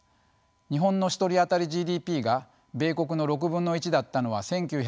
日本の１人当たりＧＤＰが米国の６分の１だったのは１９６０年でした。